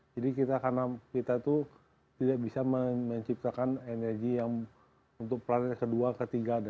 jadi kita karena kita itu tidak bisa menciptakan energi yang untuk planet kedua ketiga